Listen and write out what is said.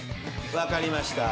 分かりました。